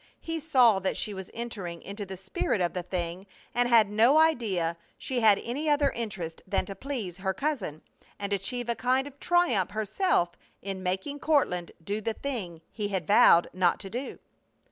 He saw that she was entering into the spirit of the thing and had no idea she had any other interest than to please her cousin, and achieve a kind of triumph herself in making Courtland do the thing he had vowed not to do.